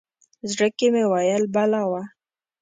زړه کې مې ویل بلا وه.